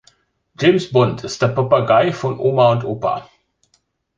James Bond ist der Papagei von Oma und Opa.